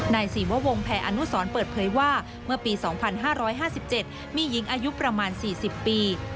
ศรีววงแพออนุสรเปิดเผยว่าเมื่อปี๒๕๕๗มีหญิงอายุประมาณ๔๐ปี